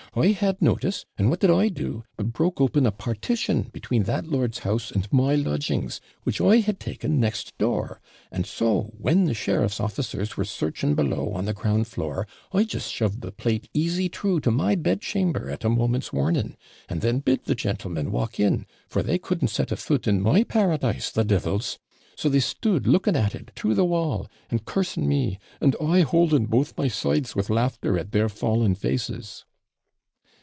I had notice, and what did I do, but broke open a partition between that lord's house and my lodgings, which I had taken next door; and so, when the sheriff's officers were searching below on the ground floor, I just shoved the plate easy through to my bedchamber at a moment's warning, and then bid the gentlemen walk in, for they couldn't set a foot in my paradise, the devils! So they stood looking at it through the wall, and cursing me and I holding both my sides with laughter at their fallen faces.'